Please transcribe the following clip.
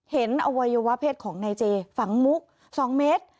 อวัยวะเพศของนายเจฝังมุก๒เมตร